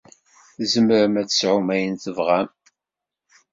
Tzemrem ad tesɛum ayen i tebɣam.